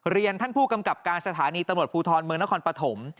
ท่านผู้กำกับการสถานีตำรวจภูทรเมืองนครปฐม